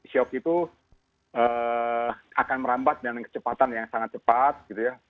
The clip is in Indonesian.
shock itu akan merambat dengan kecepatan yang sangat cepat gitu ya